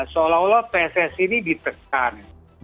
seolah olah pssi ini ditekan